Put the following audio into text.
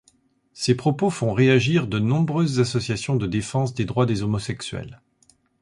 Ces propos font réagir de nombreuses associations de défense des droits des homosexuels.